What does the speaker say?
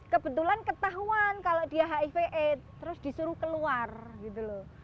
kebetulan ketahuan kalau dia hiv aid terus disuruh keluar gitu loh